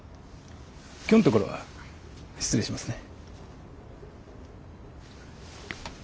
今日のところは失礼しますね。